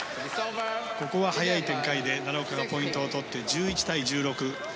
ここは速い展開で奈良岡がポイントを取って１１対１６。